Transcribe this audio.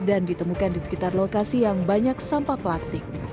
dan ditemukan di sekitar lokasi yang banyak sampah plastik